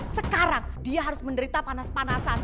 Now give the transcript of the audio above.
sekarang dia harus menderita panas panasan